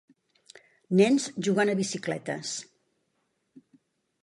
Nens jugant a bicicletes.